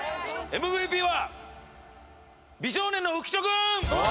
ＭＶＰは美少年の浮所君！